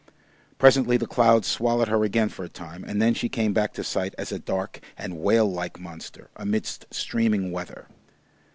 Presently the clouds swallowed her again for a time, and then she came back to sight as a dark and whale like monster, amidst streaming weather.